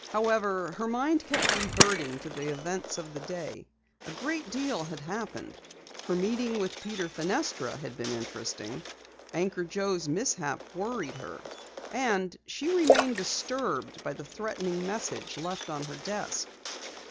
However, her mind kept reverting to the events of the day. A great deal had happened. Her meeting with Peter Fenestra had been interesting. Anchor Joe's mishap worried her, and she remained disturbed by the threatening message left on her desk.